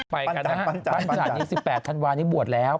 ไปกันนะปั้นจันทร์๑๘ธันวาลนี้บวชแล้ว